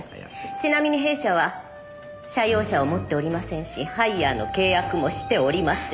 ちなみに弊社は社用車を持っておりませんしハイヤーの契約もしておりません。